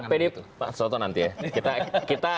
nah pd pak soto nanti ya